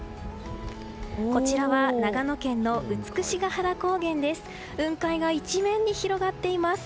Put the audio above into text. こちらは長野県の美ケ原高原です。